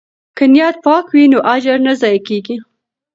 که نیت پاک وي نو اجر نه ضایع کیږي.